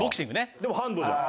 でもハンドじゃん。